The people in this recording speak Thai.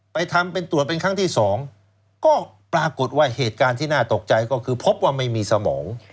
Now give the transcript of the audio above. ทำเป็นตรวจเป็นครั้งที่สองก็ปรากฏว่าเหตุการณ์ที่น่าตกใจก็คือพบว่าไม่มีสมอง